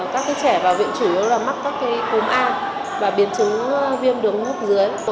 các trẻ vào viện chủ yếu là mắc các cúm a và biến chứng viêm đường hô hấp dưới